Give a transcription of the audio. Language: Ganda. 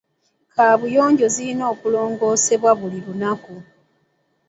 Kaabuyonjo zirina okulongoosebwa buli lunaku.